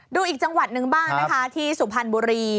ดูอีกจังหวัดหนึ่งบ้างนะคะที่สุพรรณบุรี